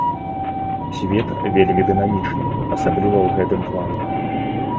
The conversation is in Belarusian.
Свет вельмі дынамічны, асабліва ў гэтым плане.